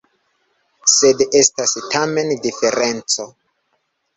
Sed estas tamen diferenco.